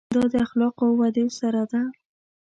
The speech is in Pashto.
دا د اخلاقو ودې سره ده.